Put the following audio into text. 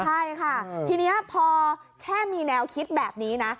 ใช่ค่ะทีนี้พอแค่มีแนวคิดแบบนี้นะ